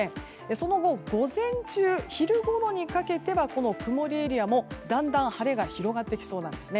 その後、午前中昼ごろにかけて曇りエリアもだんだん晴れが広がりそうです。